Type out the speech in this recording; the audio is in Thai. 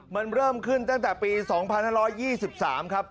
มันเริ่มขึ้นตั้งแต่ปี๒๕๒๓ครับ